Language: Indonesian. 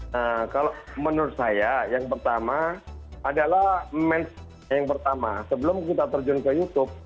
nah kalau menurut saya yang pertama adalah match yang pertama sebelum kita terjun ke youtube